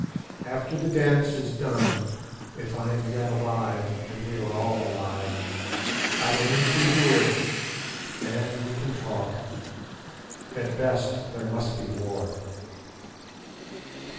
After the dance is done, if I am yet alive, and we are all alive, I will meet thee here, and we can talk. At the best there must be war."